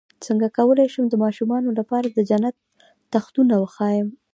څنګه کولی شم د ماشومانو لپاره د جنت تختونه وښایم